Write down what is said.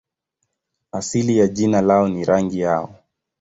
Asili ya jina lao ni rangi yao.